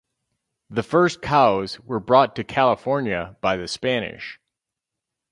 The first cows were brought to California by the Spanish.